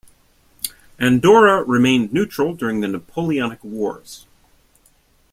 Andorra remained neutral during the Napoleonic Wars.